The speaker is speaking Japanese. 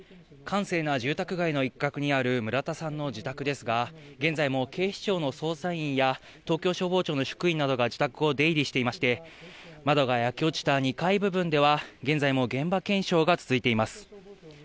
閑静な住宅街の一角にある村田さんの自宅ですが、現在も警視庁の捜査員や東京消防庁の職員などが自宅を出入りしていまして、窓が焼け落ちた２階部分では現在も現場検証が続いています。